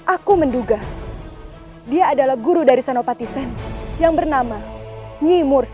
aku menduga dia adalah guru dari senopati sen yang bernama nyi mursi